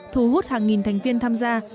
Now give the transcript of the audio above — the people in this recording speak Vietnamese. thu hút hàng nghìn thành viên tham gia